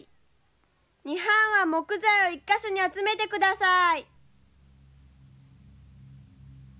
２班は木材を１か所に集めてください。